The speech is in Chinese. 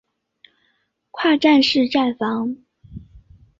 跨站式站房。